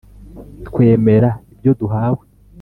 Twemera ibyo duhawe!